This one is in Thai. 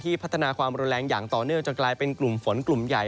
พัฒนาความรุนแรงอย่างต่อเนื่องจนกลายเป็นกลุ่มฝนกลุ่มใหญ่